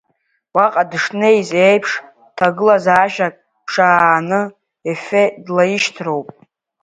Уаҟа дышнеиз еиԥш ҭагылазаашьак ԥшааны Ефе длаишьҭроуп.